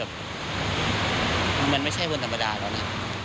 มันไม่ใช่คนธรรมดาแล้วนะ